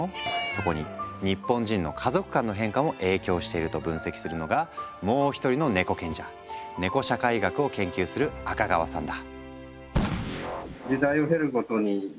そこに日本人の家族観の変化も影響していると分析するのがもう一人のネコ賢者ネコ社会学を研究する赤川さんだ。